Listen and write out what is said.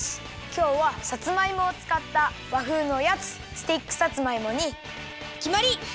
きょうはさつまいもをつかったわふうのおやつスティックさつまいもにきまり！